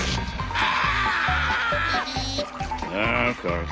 ああ！